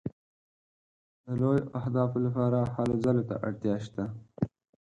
د لویو اهدافو لپاره هلو ځلو ته اړتیا شته.